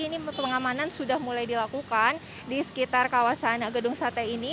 ini pengamanan sudah mulai dilakukan di sekitar kawasan gedung sate ini